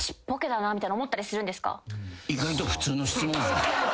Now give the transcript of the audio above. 意外と普通の質問。